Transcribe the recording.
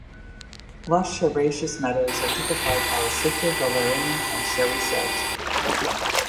Lush herbaceous meadows are typified by Sitka valerian and showy sedge.